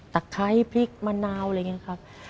ไคร้พริกมะนาวอะไรอย่างนี้ครับ